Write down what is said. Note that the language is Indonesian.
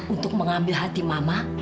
untuk mengambil hati mama